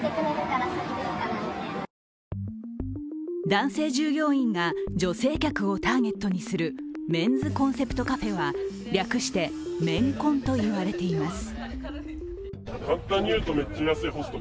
男性従業員が女性客をターゲットにするメンズコンセプトカフェは略してメンコンと言われています。